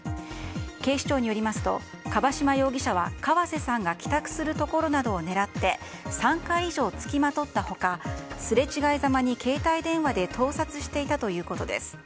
警視庁によりますと樺島容疑者は河瀬さんが帰宅するところなどを狙って３回以上付きまとった他すれ違いざまに携帯電話で盗撮していたということです。